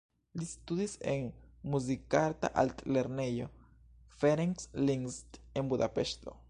Li studis en Muzikarta Altlernejo Ferenc Liszt en Budapeŝto.